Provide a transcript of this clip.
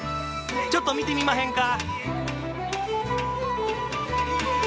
ちょっと見てみまへんか？